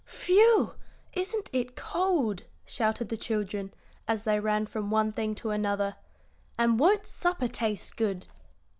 "Phew, isn't it cold!" shouted the children, as they ran from one thing to another; "and won't supper taste good!"